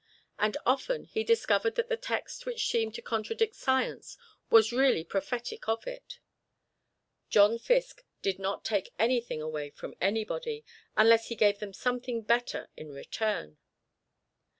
And often he discovered that the text which seemed to contradict science was really prophetic of it. John Fiske did not take anything away from anybody, unless he gave them something better in return.